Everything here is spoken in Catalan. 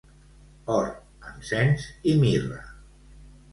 Or, encens i mirra.